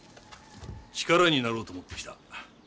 力になろうと思って来た。